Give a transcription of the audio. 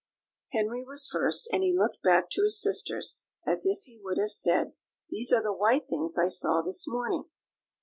Henry was first, and he looked back to his sisters as if he would have said, "These are the white things I saw this morning."